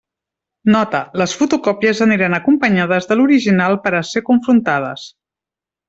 Nota: les fotocòpies aniran acompanyades de l'original per a ser confrontades.